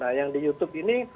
nah yang di youtube ini